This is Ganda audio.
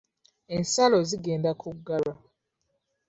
Ensalo zigenda kuggalwa.